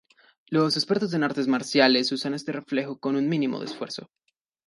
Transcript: Los expertos en artes marciales usan este reflejo con un mínimo de esfuerzo.